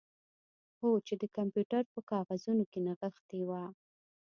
هو چې د کمپیوټر په کاغذونو کې نغښتې وه